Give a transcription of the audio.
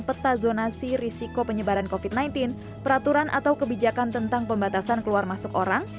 peta zonasi risiko penyebaran covid sembilan belas peraturan atau kebijakan tentang pembatasan keluar masuk orang